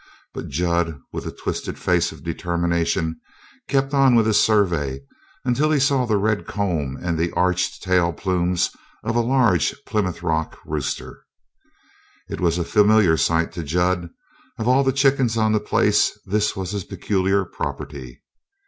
But Jud, with a twisted face of determination, kept on with his survey until he saw the red comb and the arched tail plumes of a large Plymouth Rock rooster. It was a familiar sight to Jud. Of all the chickens on the place this was his peculiar property.